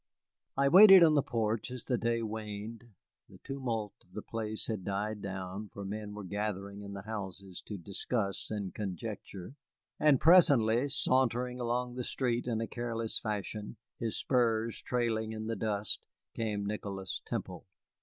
I waited on the porch as the day waned. The tumult of the place had died down, for men were gathering in the houses to discuss and conjecture. And presently, sauntering along the street in a careless fashion, his spurs trailing in the dust, came Nicholas Temple.